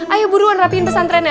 ayo buruan rapiin pesantrennya